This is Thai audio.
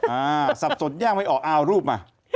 อ่าสับสนยากไม่ออกเอารูปมา